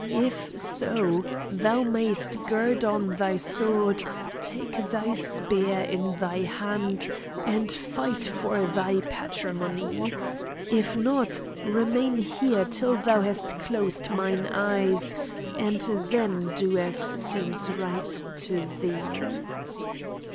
If so, thou mayst gird on thy sword, take thy spear in thy hand, and fight for thy patrimony. If not, remain here till thou hast closed mine eyes, and then do as seems right to thee."